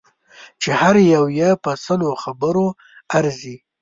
چې هر یو یې په سلو خرو ارزي.